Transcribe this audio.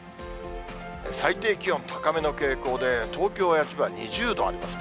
最低気温、高めの傾向で、東京や千葉は２０度ありますね。